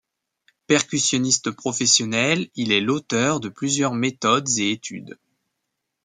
Percussionniste professionnel, il est l'auteur de plusieurs méthodes & études.